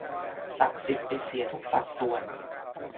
ศักดิ์สิทธิ์ไปเสียทุกสัดส่วน